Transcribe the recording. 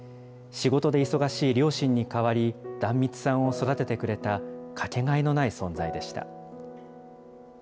仕事で忙しい両親に代わり、壇蜜さんを育ててくれた、掛けがえのない存在でした。